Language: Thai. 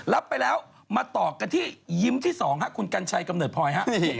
รับไปแล้วมาต่อกันที่ยิ้มที่๒คุณกัญชัยกำเนิดพลอยฮะ